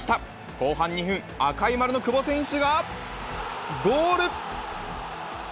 後半２分、赤い丸の久保選手が、ゴール。